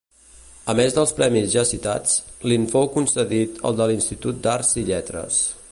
A més dels premis ja citats, li'n fou concedit el de l'Institut d'Arts i Lletres.